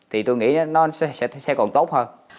thì tôi nghĩ nó sẽ còn tốt hơn